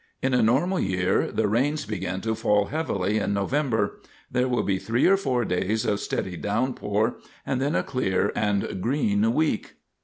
In a normal year the rains begin to fall heavily in November; there will be three or four days of steady downpour and then a clear and green week.